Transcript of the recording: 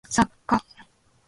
作家